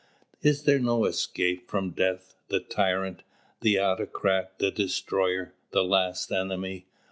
Is there no escape from Death, the Tyrant, the autocrat, the destroyer, the last enemy?